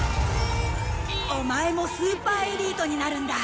オマエもスーパーエリートになるんだ。